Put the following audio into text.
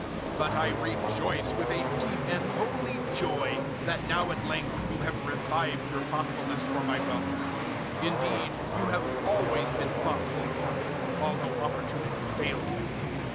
004:010 But I rejoice with a deep and holy joy that now at length you have revived your thoughtfulness for my welfare. Indeed you have always been thoughtful for me, although opportunity failed you.